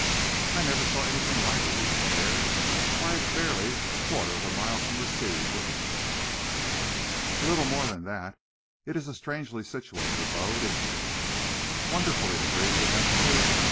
"I never saw anything like it," he declared. "Why, it's barely a quarter of a mile from the sea, isn't it?" "A little more than that. It is a strangely situated abode, isn't it?" "Wonderful!" he agreed, with emphasis.